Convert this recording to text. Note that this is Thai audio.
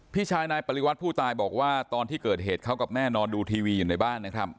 พี่ชายนายปริวัติผู้ตายบอกว่าตอนที่เกิดเหตุเขากับแม่นอนดูทีวีอยู่ในบ้านนะครับ